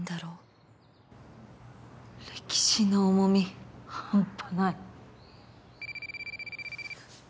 歴史の重みハンパない。